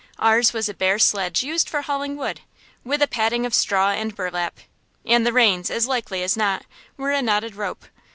Ours was a bare sledge used for hauling wood, with a padding of straw and burlap, and the reins, as likely as not, were a knotted rope.